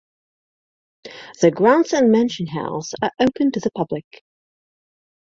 The grounds and mansion house are open to the public.